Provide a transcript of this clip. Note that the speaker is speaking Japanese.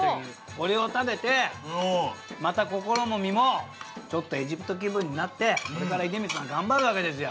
これを食べてまた心も身もちょっとエジプト気分になってこれから出光さん頑張るわけですよ。